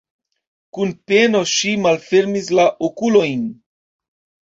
Kun peno ŝi malfermis la okulojn.